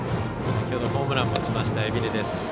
先ほどホームランを打ちました海老根です。